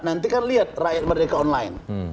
nanti kan lihat rakyat merdeka online